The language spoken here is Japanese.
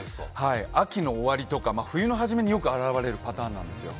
秋の終わりとか冬の初めによく現れるパターンなんですよ。